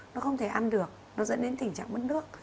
nó không thể ăn được nó dẫn đến tình trạng mất nước